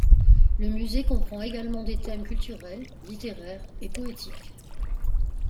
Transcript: Le musée comprend également des thèmes culturels, littéraires et poétiques.